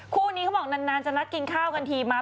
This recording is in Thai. คู่นี้เขาบอกนานจะนัดกินข้าวกันทีมา